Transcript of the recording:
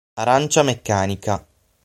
Arancia meccanica